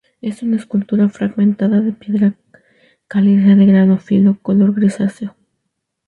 Es una escultura fragmentada, de piedra caliza de grano fino, color grisáceo.